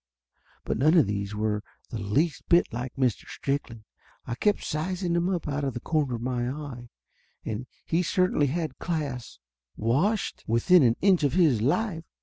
But none of these were the least bit like Mr. Strickland. I kept sizing him up out of the corner of my eye, and he certainly had class. Washed? Within a inch of his life!